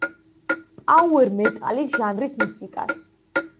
პაუერ მეტალის ჟანრის მუსიკას.